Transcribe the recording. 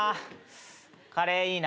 カレーいいな。